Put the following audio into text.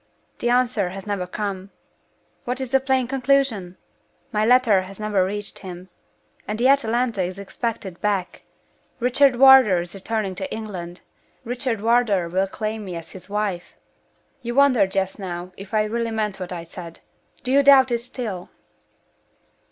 The answer has never come. What is the plain conclusion? My letter has never reached him. And the Atalanta is expected back! Richard Wardour is returning to England Richard Wardour will claim me as his wife! You wondered just now if I really meant what I said. Do you doubt it still?"